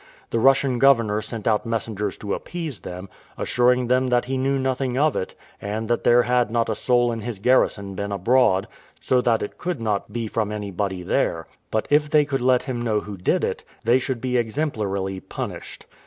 The Russian governor sent out messengers to appease them, assuring them that he knew nothing of it, and that there had not a soul in his garrison been abroad, so that it could not be from anybody there: but if they could let him know who did it, they should be exemplarily punished.